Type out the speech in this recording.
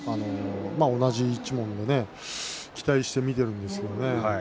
同じ一門で期待して見ているんですけどね。